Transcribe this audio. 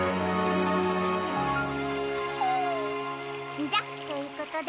んじゃそういうことで。